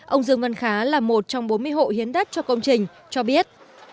ông dương văn khá là một trong bốn mươi hộ hiến đất cho công trình cho biết